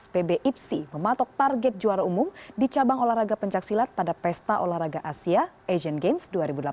pb ipsi mematok target juara umum di cabang olahraga pencaksilat pada pesta olahraga asia asian games dua ribu delapan belas